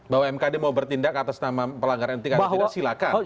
bahwa mkd mau bertindak atas nama pelanggaran tidak silakan